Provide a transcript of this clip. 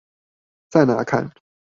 在哪看？